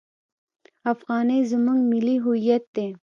افغانۍ زموږ ملي هویت دی.